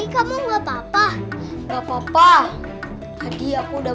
kamu nggak papa papa papa jadi aku udah